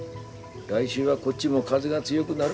来週はこっちも風が強ぐなる。